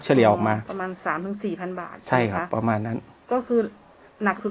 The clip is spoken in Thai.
เฉลี่ยออกมาประมาณสามถึงสี่พันบาทใช่ค่ะประมาณนั้นก็คือ